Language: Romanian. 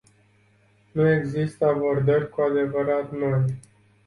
Nu există abordări cu adevărat noi.